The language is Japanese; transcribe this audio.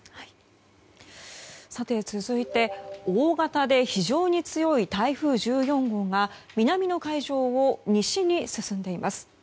続いて大型で非常に強い台風１４号が南の海上を西に進んでいます。